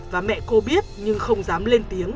và mẹ cô biết nhưng không dám lên tiếng